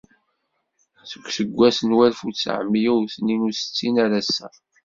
Seg useggas n walef u tesεemya u tnin u settin ar ass-a.